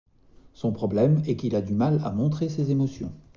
Son problème est qu'il a du mal à montrer ses émotions.